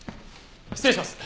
失礼します。